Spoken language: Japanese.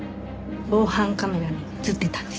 防犯カメラに映ってたんです。